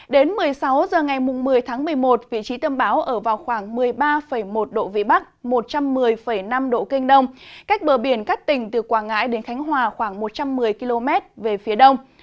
đến một mươi sáu h ngày một mươi tháng một mươi một vị trí tâm bão ở vào khoảng một mươi ba một độ vĩ bắc một trăm một mươi năm độ kinh đông cách bờ biển các tỉnh từ quảng ngãi đến khánh hòa khoảng một trăm một mươi km về phía đông